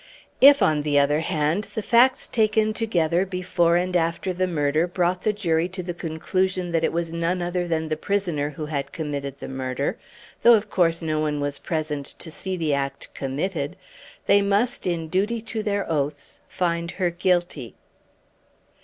If, on the other hand, the facts taken together before and after the murder brought the jury to the conclusion that it was none other than the prisoner who had committed the murder though, of course, no one was present to see the act committed they must, in duty to their oaths, find her guilty.